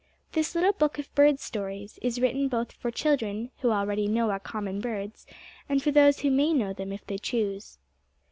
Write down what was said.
This little book of "Bird Stories" is written both for the children who already know our common birds, and for those who may know them if they choose.